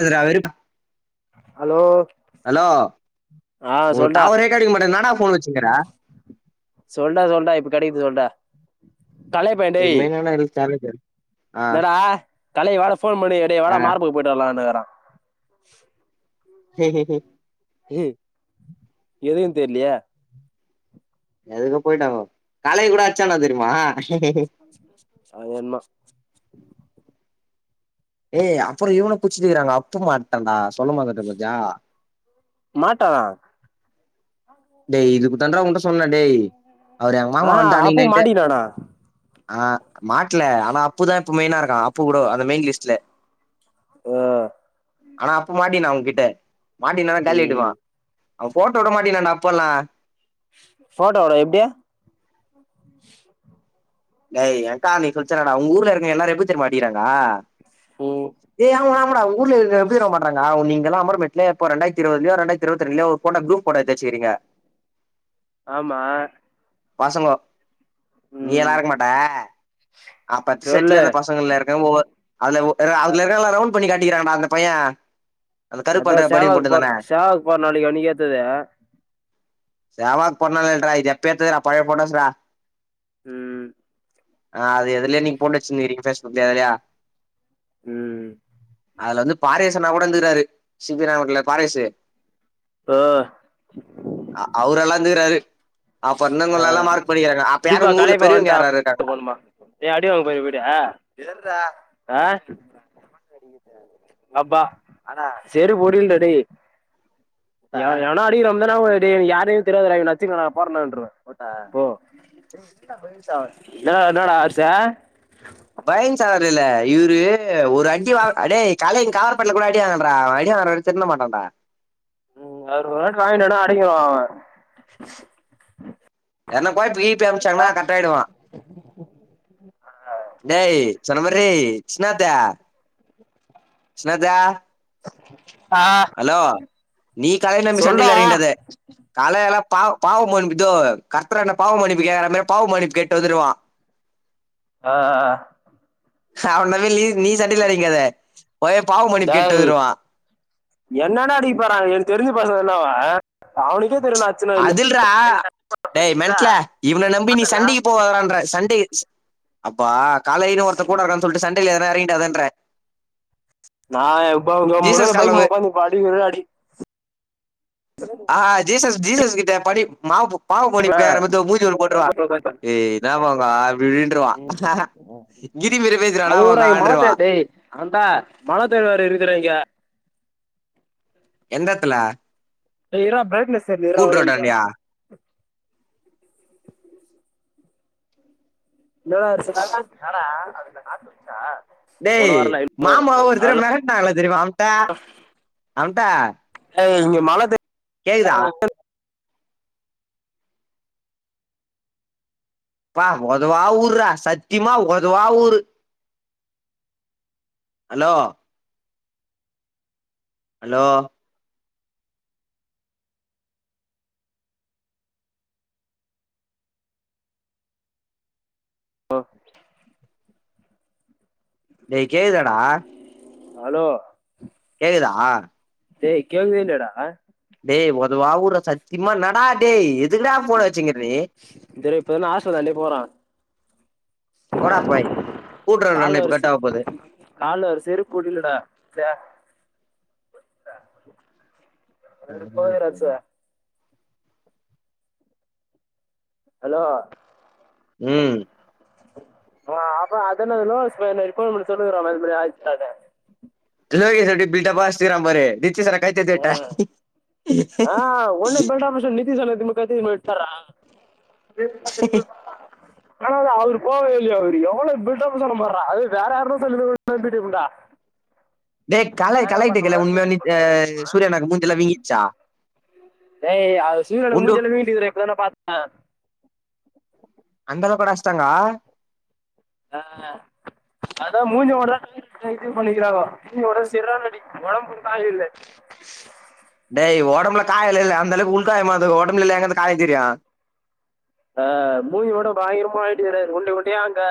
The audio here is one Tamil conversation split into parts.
அதுல அவருப் ஹலோ ஆ உனக் சொல்டா டவரே கெடைக்க மாட்டிக்து என்னாடா ஃபோன் வெச்சுங்குற சொல்டா சொல்டா இப்ப கெடைக்குது சொல்டா தலை பயண்டேய் தலைப்பு என்னடா கலைக் வெர போன் பண்ணி டேய் வாடா ஆ மார்புக்கு போய்ட்டு வர்லான்னுக்கறா [unintelligible] ஹ்ம் ஹ்ம் உம் உ எதுக்குன் தெர்லயே எதுக்கோ போய்ட்டாங்கோ காலைய கூட அச்சாங்க தெரியுமா அதென்மா ஏய் அப்பற இவன குச்சினுக்கிறாங்க அப்பமாட்டன்டா சொல்ல மறந்துட்டே பாத்தியா மாட்டா டேய் இதுக்கு தான்டா உங்ட்ட சொன்ன டேய் அவர எங்க மாமா ஆஹா வன்ட்டு அன்னைக்கு அப்பு நைட்டு மாட்டிக்கினானா ஆ மாட்ல ஆனா அப்புதா இப்ப மெய்னா இருக்கா அப்பு கூடோ அந்த மெயின் லிஸ்ட்ல ஆ ஆனா அப்ப மாட்டினா அவுங்கிட்ட மாட்டிருந்தானா காலியாடிவா ம் அவ ஃபோட்டோ உடமாட்டின்றான்டா போலா ஃபோட்டோ உனக்கெப்டி டேய் எனக்கா நீ குச்சல்லடா உங்க ஊர்ல இருக்க எல்லாரு எப்டி தெரிமா அடிக்றாங்கா ம் டேய் ஆமாடா ஆமாடா உங்க ஊர்ல இருக்க எப்டி தெரிமா பண்றாங்க உ நீங் இங்கலா அமர்மெட்லே இப்ப இரண்டாயிரத்தி இருவதுலயோ இண்டாயிரத்தி இர்வத்தி ரெண்டுலயோ ஒரு ஃபோட்டா குரூப் ஃபோட்டோ எடுத்து வெச்சிர்கிங்க ஆமா பசங்கோ நீ ம் எல்லா இருக்க மாட்ட ஆ பத் செட்ல சொல்லு இருந்த பசங்கள்ல இருக்க ஒவ்வொ அந்த உ என்ல அ அதுல இருக்க எல்லா ரவுன் ட் பண்ணி காட்டிக்றான்டா அந்த பய அதா சேவாக் பாரு சேவாக் பாரு நாளைக்கு அன்னைக் எத்தது சேவாக் பண்ணதில்லடா இது எப்பெ எடுத்துதுடா பழைய ஃபோட்டோஸ் டா ம் ஆ அது எதுலயோ நீ போட்டு வச்ருந்ருக்கிங்க ஃபேஸ்புக்லயோ எதுலயோ ம் அதுல வந்து பாரேசன்னா கூட இருந்துகிறாரு சிவிரா ஓட்டல்ல பாரேசு ஓ ஆ அவ்ரெல்லா இந்துகிறாரு ஆ அப்ப யாரு திப்பா உங்க ஊர்ல காளியப்பா பெரியவங்க வன்ட்டா யாராரு இருக்காங்க போணுமா ஏ அடி வாங்க போயிர போய்டியா அ அப்பா ஆனா செடு முடில டேய் யாரயானே அடிக்கிறோம்தா ஞாபக வர்து யாரையு தெரியாதரா இவன அச்சுக்கனா பாருனான்ருவ போட்டா என்னட என்னடா ஆச்சு பயன் சாவார்ல்ல இவரு ஒரு அடி வாங் அடே காலே காவ பட்ல கூட ங்கயே நில்டா அவ அடி வாங்கற வரைக் திருந்த மாட்டான்டா ம் ஒரு வாட் வாங்கிட்டானா அடங்கிர்வா அவ என்ன போய் டீப்பி அனுப்ச்சாங்கனா கர்ட் ஆயிடுவா டேய் சொன்ன மறி ஷ்னத்து ஷ்னத்து ஆ அலோ நீ காலல ந்த சொல்டா சண்டைல எறங்கிடாத காலேல பாவ் பாவ் மன்னிப்தோ கர்த்ரான்டா பாவ் மன்னிப்பு கேக்குற மாறி பாவ் மன்னிப்பு கேட்டு வந்துருவா ஆ ஆ அ அவன நம்பி லி நீ சண்டைல எறங்க்காத போயே பாவமன்னிப் கேட்டு டேய் வந்ருவா என்னடா அடிக் போறாங்க எனக் தெரிஞ்ச பசங்கதா அவ அவுனுக்கே அதில்றா டே மென்ட்ல இவன நம்பி நீ சண்டைக்கு போவாதடான்ற சண்டே ச் அப்பா காலையிலு ஒருத்த கூட இருக்கான் சொல்ட்டு சண்டேல எதனா எறங்கிடாதன்ற நா [unintelligible] ஆ ஆ ஜீசஸ் ஜீசஸ் கிட்ட படி மாவுபு பாவ் மன்னிப்பு கேக்ற முத்து மூஞ்சில ஒன்னு போட்ருவா ஏ என்னாமோங்கா அப்டின்றுவா கிரிமிரி பேசறானா அவங்கான்ட்ருவா அவந்தா மனத்தேர்வாரு இருக்ற இங்க எந்தெடத்துல டே இர்றா ப்ரைட்னஸ் சேர்து இர்றா ஒரே நிம்ச இன்னடா வர சொன்னே டேய் மாமா ஒருத்தர மெரட்னாங்களா தெரியுமா அம்ட அம்டா மல தே கேக்குதா பா ஒதவா ஊர்ரா சத்தியமா ஒதவா ஊரு ஹலோ ஹலோ அ டேய் கேக்குதாடா ஹலோ கேக்குதா டேய் கேக்கவே இல்லாட டேய் ஒதவா ஊர்ரா சத்திமா என்னடா டேய் எதுக்குடா ஃபோன வச்சிங்கிற நீ டே டேய் இப்பதா ஆஸ்பத்திரியாண்டே போற போட போய் கால்ல ஒரு செ கால்ல ஒரு செருப் கூட இல்ல டா ச்சே வெறுப்பா இருக்குடா ராஜ்ச ஹலோ ம் அவே அப்ப அதென்ன லோகேஷ் பைய மாரி கோழிமூட்டி சொல்லினுகிறானா இது மாரி ஆயிச்சானு லோகேஸ் ஓரே பில்டப்பா அஷ்டுகிரா பாரு டிச்சு சரக் கைத்தட்டி உட்டே காத்துக்கு முன்ன எத்தாறா [inaudible] ஆனாலு அவரு போகவே இல்லயே அவரு எவ்வளோ பில்டப்பு சொன்னே பார்ரா அது வேற யார்னா சொல்லியிருந்த நம்பிட்டு இருப்பே டா டேய் கலை கலை தெரியுல்ல உண்மை யான்மே யா சூரியா அண்ணாக்கு மூஞ்சிலா விங்கிச்சா டேய் அது சூரியா அண்ணாக்கு உண்டு மூஞ்சில்ல வீங்கிட்டு இருக்குதுடா இப்பதான்டா பாத்தே அந்தளவுக்காடா அஷ்டாங்கா அ அதா மூஞ்சிய மட்டும்தா [inaudible] இது பண்ணிக்கிறாங்கோ மூஞ்சிலதா செரியான அடி உடம்புல ஒரு காயோ இல்ல டேய் ஒடம்புல காய்யோ இல்லல்ல அந்த அளவுக்கு உள் காயமா இருந்தகருக்கு ஒடம்புல எங்க இருந்து காய்யோ தெரியு ஆ மூஞ்சியோட பயங்கரமா ஆயிட்டுகிறாரு உண்ட உண்டையா அங்க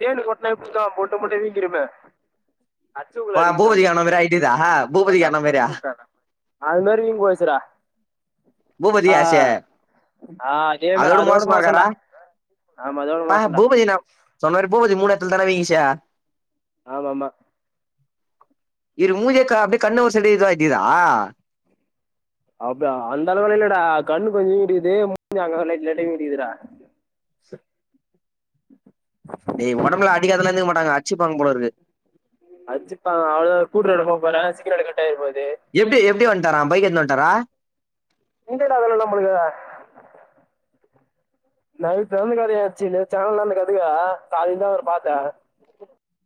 தேள் கொட்டனா எப்டி இருக்கு முட்ட முட்டையா வீங் வீங்கிருமே ! ! வா, ! பூபதி அண்ணன் ! மாதிரி ! ஐடிதா ! பூபதி ! அண்ணன் மாதிரியா ! ! ! அதுமாரியு பேசுறா பூபதியச்சே ஆ அதே மாதிரி அததோடு மோசோ அதோட சும்மா இருகாரா மோசம்டா ஆமா அதோட அ மோசம்டா பூபதி நா சொன்னரு பூபதி மூணு அத்துன் எடோ வீங்கிச்சே ஆமாம்மா இது மூஞ்சே க அப்டியே கண்ணே ஒரு செய்டு இத ஆயிட்டுக்குதா அப்பே அந்த அளவுல இல்லடா கண்ணு கொஞ்சோ வீங்கிட்டுகிது மூஞ்சி அங்கங்க லைட் லைட்டா வீங்கிட்டுகிதுடா டேய் ஒடம்புல்லா அடிக்காதுலா இருந்துக்க மாட்டாங்க அச்சிப்பாங்கு போல இருக்கு அச்சிப்பாங்க அவ்ளதா கூட்ரோடு போவபோறே சீக்னல்லு கட்டாயிர போது எப்டி எப்டி வன்டாரா பைக் எடுத்துனு வந்துட்டாரா இந்தடா அதெல்லா நம்மளுக்கு நைட் நடந்த கதையாச்சு நேத்து சாயங்காலோ தா அந்த கதையே காலைல தா அவர பாத்தே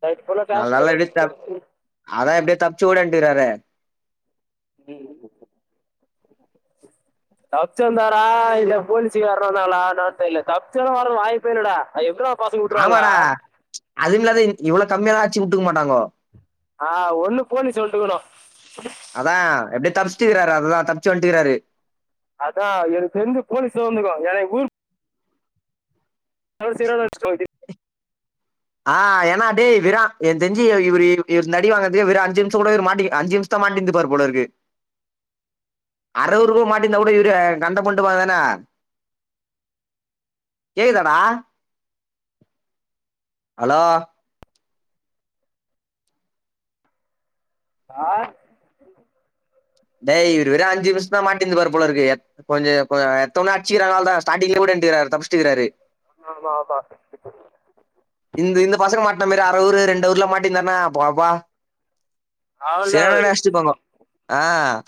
நைட் ஃபுல்லா கிளாஸ்ல ஏதோ ஒன் சொல்சி தப்சி ஓடியாட்டுகிறாரே ம் தப்புச்சு வந்தாரா இல்லே போலீசு யார்னா வந்தகளா என்னானு தெரியல தப்புச்சுல வர வாய்பே இல்லடா அது எப்புற்றா ஆமாடா அதுவு இல்லாத இவ்வளவு கம்மியல்லா அடிச்சு உட்டுருக்க மாட்டாங்கோ ஆ ஒண்ணு போலீஸ் வந்துக்கணும் அதா எப்படியோ தப்பச்சுட்டுருக்கிறாரு அதுதா தப் ச் வண்டுகிறாரு அதா எனக்கு தெரிஞ்சு போலீஸ்ல வந்துருக்கு ஏன ஊர் [unintelligible] ஆ ஏன்னா டே வீரா எனக்கு தெரிஞ்சி இவுர் இவுர் அடி வாங்குறது இவுர் அஞ்சி நிமிஷம் கூட இவர் மாட்டி அஞ்சி நிமிஷம் மாட்டிருந்துப்பார் போல இருக்கு [inaudible] அறுவறு ரூபா மாட்டி இருந்தா கூட இவரு சண்ட போட்டுருப்பாரு தான கேக்குதாடா ஹலோ ஆ டேய் இவரு வெறு அஞ்சி நிமிஷந்தா மாட்டிருந்துருப்பாரு போலருக்கு கொஞ்ச கொஞ்ச எடுத்தோன அடிச்சிக்கிற அவளே தா ஸ்டார்ட்டிங்ல கூட இருத்துக்குறாரு தப்பிச் ஆமா ஆமா இந்த இந்த பசங்க மாட்ன மாரி அர ஊர் ரெண்டு ஊர்லா மாட்டிருந்தாருன்னா பாப் பா அவன் தான் செரியான அவரு அச்சிருப்பாங்கோ ஆ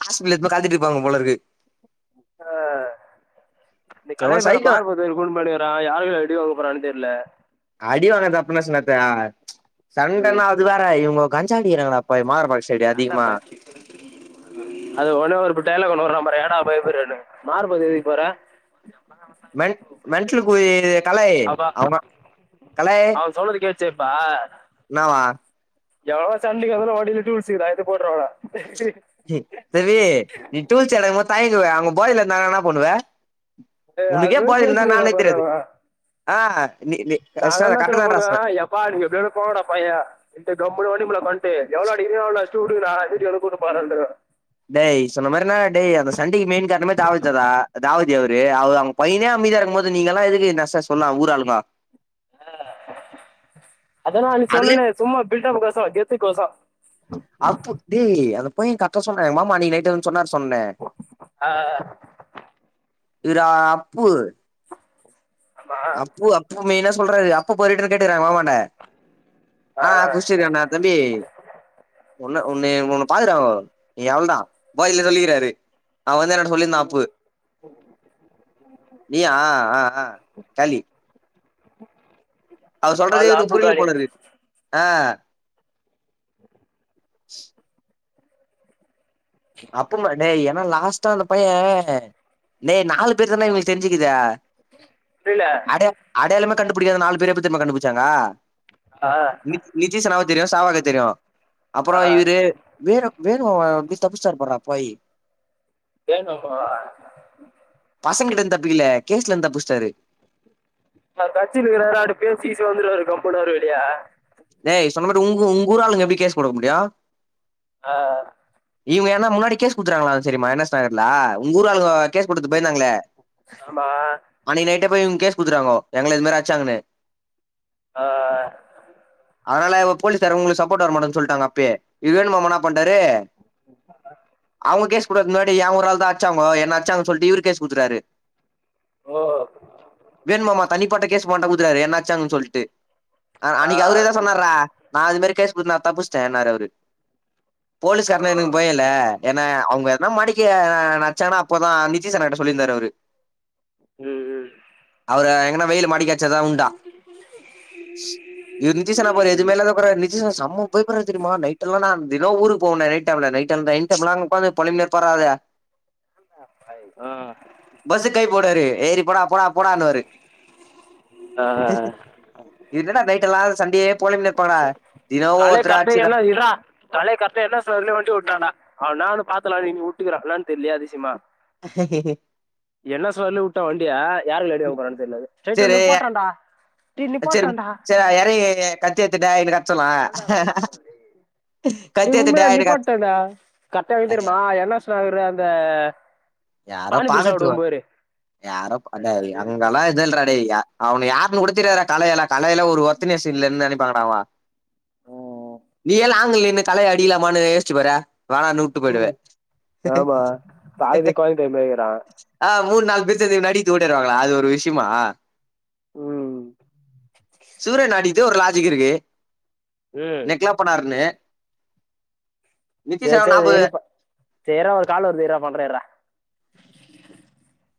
ஹாஸ்பிட்டல் எடுத்து போய் காத்திட்ருப்பாங்க போல இருக்கு ஆ இந்த கலை செம வேற சைக்கோ மறுப்புத் கோயில் கூட்னு போயிடுக்குறா யாருகிட்ட அடி வாங்க போறான்னு தெரியல ம் ! ! ! ! ! ! ! ! ! ! ! நா டா பய அது ஒனே ஒரு டயலாக் ஒன்னுவுர பாரு என்னடா பயப்புடுற மார்பகுதிக்கு போற ! ! ! ! ! ! ! ! ! ! ! அப்பா சே பா என்னவா எவளோ சண்டிக்கு வந்த வண்டில டூல்ஸ் இருக்குது எடுத்து போற்றுருவலா ! ! ! ! ! ! ! ! ! ! ! ! ! ! ! ! ! ! ! ! ! ! ! ! ஏய், அது மாதிரி பேசினுக்கிறா நா என்னதான பண்ணுவ எப்பா நீங்க எப்படியாது போங்கடாப்ப ஏ இந்த கம்முனு வண்டிக்குள்ள உட்காந்துட்டு எவ்வளோ அடிக்கிறாயோ அவளோ அடிச்சிட்டு விடுங்கடா வீட்டுக்கு வென கூட்டு போறான்னுடுவ டேய் சொன்ன மாதிரனா டே அந்த சண்டைக்கி மெயின் காரணமோ தவுதர் தா தாவுத் அவரு அவரு அவங்க பையனே அமைதியா இருக்கு போது நீங்க எல்லா எதுக்கு நச சொன்ன ஊர் ஆளுங்க ஆ அதனா அன்னைக்கி அதுலே சொன்னனே சும்மா பில்டப் கோச கெத்து கோச அப்பு டே அந்த பைய கரெக்ட் தா சொன்னா எங்க மாமா நீ நைட்டு வந்து சொன்னரு ஆ இரா அப்பு அப்பு அப்பு மெய்னா சொல்றாரு அப்பு போய்ட்டுன்னு கேட்டுக்காரு எங்க மாமா இல்ல ஆ குடிசிர் கேன்னா தம்பி ஒன்ன ஒன்னைய ஒன்ன பக்குறாவோ நீ அவ்ளோதா போயில சொல்லிக்கிறாரு அவ வந்து என்னட்ட சொல்லிருந்தா அப்பு நீயா ஆ ஆ காலி [inaudible] அவர் சொல்றதே நாலு இவனுக்கு ஆப்பு புரில காலி போலருக் ஆ [inaudible] அப்பும டேய் ஏனா லாஸ்ட்டா அந்த பைய டேய் நாலு பேர்தான இவங்களுக்கு தெரிஞ்சுக்குது புரியல அடை அடையாளமே கண்டு புடிக்காத நாலு பேர எப்டி தெரியுமா கண்டுபுடிச்சாங்க ஆ, நித் நித்திஷ் அண்ணாவ தெரியு சாவாக தெரியு அப்பறம் இவுரு வேலு வேலு எப்டி தப்புசிட்டார் பாருடா அப்பாயி வேனு அம்மாவா பசங்ககிட்ட இருந்து தப்பிக்கல கேஸ்லே இருந்து தப்பிச்சிட்டாரு அவரு படிச்சின்னுக்குறாரு அவர்ட்ட பேசி கீசி வந்துருவாரு தம் போட அவரு வெளிய டேய் சொன்ன மாட்டு உங் உங்கூராளுங்க எப்டி கேஸ் கொடுக்க முடியு ஆ இவனுங்க என்ன முன்னாடி கேஸ் குடுத்துறாங்களா தெரியுமா என் எஸ் நகர்ல உங்கூராளுங்க கேஸ் குடுத்து பயந்தாங்களே ஆமா அன்னக்கி நைட் எங்கயோ போய் இவுங்க கேஸ் குடுத்துட்டாங்கோ எங்கள இது மாரி அச்சாங்கன்னு ஆ அதனால இவ போலீசார் ஒங்களுக்கு சப்போர்ட்டா வர மாட்டாங்கன்னு சொல்லிட்டாங்க அப்பயே இவரு வேணுமாமா என்ன பண்டாரு [inaudible] அவுங்க கேஸ் குடுக்கறதுக்கு முன்னாடி ஏ ஒரு ஆள் தா அடிச்சாங்கோ என்ன அடிச்சாங்கன்னு சொல்லிட்டு இவரு கேஸ் குடுத்துட்டாரு வேணு மாமா தனிப்பட்ட கேஸ் போடா குடுத்துட்டாரு என்ன அடிச்சாங்கன்னு சொல்லிட்டு ஆ அன்னக்கி அவரே தா சொன்னார்றா நா அது மாரி கேஸ் குடுத்து நா தப்புச்சிட்டேன்னாரு அவரு போலீ எனக்கு பயோ இல்ல ஏன்னா அவுங்க எதுனா மாட்டிக்க கி என்ன அடிச்சானோ அப்பதா நிதிஸ் அண்ணாகிட்ட சொல்லிருந்தாரு அவரு ம் ம் ஆ எங்கன்னா வெயில மாட்டிக்கச்ச எதா உண்டா இந்த நிதிஷ் அண்ணா பாரு எதுமே இல்லாத போறாரு நிதிஷ் அண்ணா செம பயப்படுறாறு தெரியுமா நைட் எல்லா நா தினோ ஊருக்கு போவேண்டா நைட் டே டைம் இல்ல நைட் டைம் நைட் டைம்லா அங்க உக்காந்து பொலம்பினே இருப்பார்றா ஆளு ம், பஸ் கை போட்டாரு ஏறி போடா போடா போடனுவாரு ஆ, ஆ. இது என்னடா நைட் எல்லா சண்டயே கலை தம்பி என்ன இருடா கலை தம்பி என்ன சொல்லிட்டு வண்டி ஓட் நானா அவன நானு பாத்துறலான்னு நீ வுட்டுக்கிற என்னான்னு தெரிலையே அதிசயமா என்ன சொல்லி வுட்டே வண்டிய யார் கைல அடி வாங்க போரானு தெரில அது சரிடா சேரி நிப்பாட்ரேண்டா சேரி சேரி இறங்கி கத்தி எத்துட்ட இதுக்கப் ஏன்டா பயப்படுற டேய் கத்தி டேய் உண்மைல எத்துடா எனக்கு அடி நிப்பாட்டேன்டா கரெக்டா எங்க டேய் தெரியுமா என்ன சொன்னாரு அந்த யாரோ பானிபூரி பாக்கறதுக்கு சாப்பிடுவோம் போயிரு யாரோ அடேய் அங்கல்லா எதுவு இல்றா டேய் யா அவன யார்ன்னு கூடத்தெரியாதுறா கலை எல்லா கலையில ஒரு ஒர்த்நெஸ் இல்லன்னு நெனைப்பாங்கடா அவங்க நீயே லாங் லீவ் நின்னு கலைய அடிக்கலாமான்னு யோசிச்சி பாறே வேணானு வுட்டு பொய்டுவ ம், ஆமா பாதி குழந்தை டைம் ஆ மூணு நாலு பேர் சேந்து இவன அடி தூண்ட்டு வருவாங்களே அது ஒரு விஷ்யமா ம் சூரி அண்ணா அடிக்குது ஒரு லாஜிக் இருக்கு ம் நெக்லா பன்னாருன்னு சேர் ஆனா சேர் நாப்பது இரு ப சேர்றா ஒரு கால் வருது இர்றா பண்றே இர்றா [inaudible]